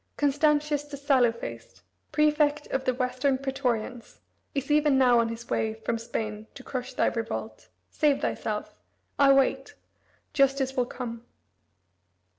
Constantius the sallow faced, prefect of the Western praetorians, is even now on his way from Spain to crush thy revolt. Save thyself. I wait. Justice will come."